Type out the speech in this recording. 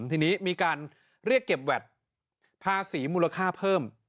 ทีนี้มีการเรียกเก็บแวดภาษีมูลค่าเพิ่ม